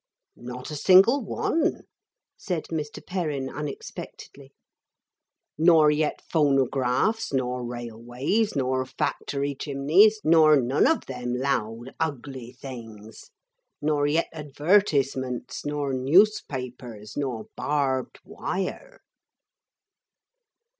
'Not a single one,' said Mr. Perrin unexpectedly. 'Nor yet phonographs, nor railways, nor factory chimneys, nor none of them loud ugly things. Nor yet advertisements, nor newspapers, nor barbed wire.'